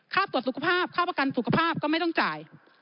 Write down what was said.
ตรวจสุขภาพค่าประกันสุขภาพก็ไม่ต้องจ่าย